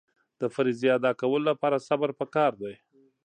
د فریضې ادا کولو لپاره صبر پکار دی.